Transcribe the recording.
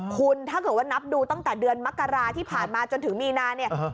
คุณถ้าเกิดว่านับดูตั้งแต่เดือนมกราที่ผ่านมาจนถึงมีนาเนี่ย